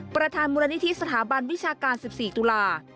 ประธานมูลนิธิสถาบันวิชาการ๑๔ตุลา